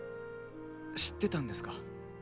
知ってたんですか。